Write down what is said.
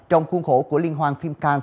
trong khuôn khổ của liên hoan phim cannes